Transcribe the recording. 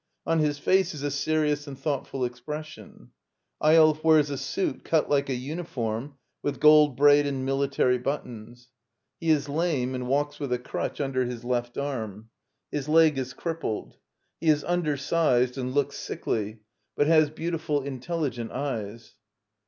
On his face is a serious and thought ful expression. Eyolf wears a suit cut like a uni form, with gold braid and military buttons.' He is lame and walks with a crutch under his left arm. 6 Digitized by VjOOQIC ActL ^ LITTLE EYOLF His leg is ^'pplp^ He is undersized a nd looks., sickly, but has beautiful, intelligent eyes.